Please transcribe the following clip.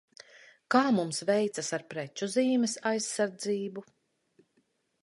Kā mums veicas ar preču zīmes aizsardzību?